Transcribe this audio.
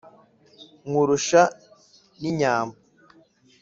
Nkurusha n'inyambo,